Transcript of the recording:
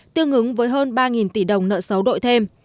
tương ứng với hơn ba tỷ đồng nợ xấu đội thêm